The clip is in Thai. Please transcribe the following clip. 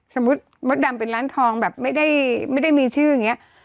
สมมุติมดดำเป็นร้านทองแบบไม่ได้ไม่ได้มีชื่ออย่างเงี้ย